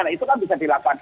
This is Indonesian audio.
itu kan bisa dilakukan